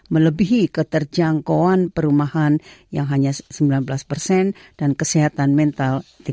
melebihi keterjangkauan perumahan yang hanya sembilan belas persen dan kesehatan mental tiga puluh persen